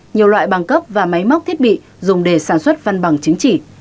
nhiều loại bằng cấp và máy móc thiết bị dùng để sản xuất văn bằng chứng chỉ